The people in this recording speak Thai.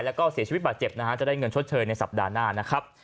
แล้วก็เสียชีวิตบาดเจ็บนะฮะจะได้เงินชดเชยในสัปดาห์หน้านะครับ